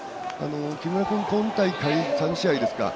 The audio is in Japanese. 木村君、今大会３試合ですか。